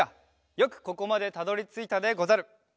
よくここまでたどりついたでござる！